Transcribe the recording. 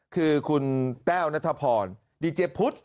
คือคุณแต้วนัทพรดีเจพุทธ